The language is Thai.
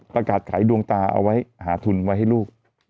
ประกาศขายดวงตาเอาไว้หาทุนไว้ให้ลูก